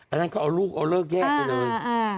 อันนั้นก็เอาลูกเอาเลิกแยกไปเลย